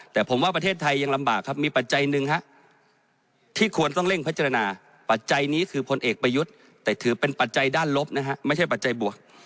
แต่ผมว่าประเทศไทยยังลำบากครับมีปัจจัยหนึ่งฮะที่ควรต้องเร่งพิจารณาปัจจัยนี้คือพลเอกประยุทธ์แต่ถือเป็นปัจจัยด้านลบนะฮะไม่ใช่ปัจจัยบวก